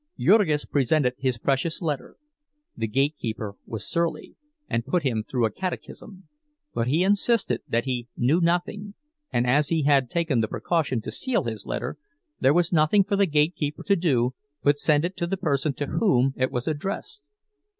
Jurgis presented his precious letter. The gatekeeper was surly, and put him through a catechism, but he insisted that he knew nothing, and as he had taken the precaution to seal his letter, there was nothing for the gatekeeper to do but send it to the person to whom it was addressed.